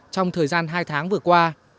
trong thời gian hai tháng vừa qua